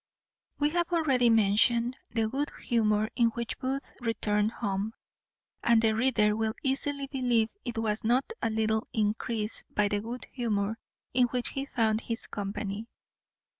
_ We have already mentioned the good humour in which Booth returned home; and the reader will easily believe it was not a little encreased by the good humour in which he found his company.